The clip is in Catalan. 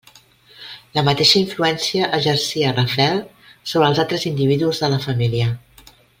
La mateixa influència exercia Rafael sobre els altres individus de la família.